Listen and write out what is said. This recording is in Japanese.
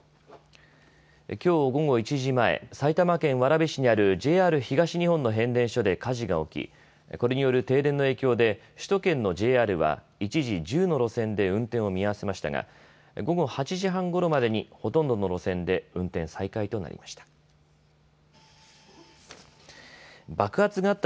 きょう午後１時前、埼玉県蕨市にあるＪＲ東日本の変電所で火事が起きこれによる停電の影響で首都圏のＪＲは一時１０の路線で運転を見合わせましたが午後８時半ごろまでにほとんどの路線で運転再開となりました。